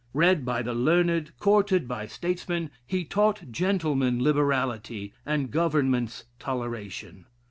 Read by the learned, courted by statesmen, he taught gentlemen liberality, and governments toleration.